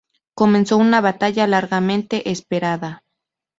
Comenzó una batalla largamente esperada.